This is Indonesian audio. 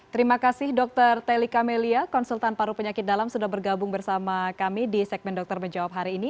terima kasih dokter teli kamelia konsultan paru penyakit dalam sudah bergabung bersama kami di segmen dokter menjawab hari ini